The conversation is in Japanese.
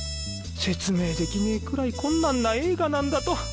説明できねえくらい困難な映画なんだと。